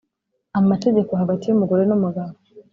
amategeko hagati y umugore n umugabo